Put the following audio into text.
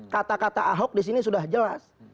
kata kata ahok disini sudah jelas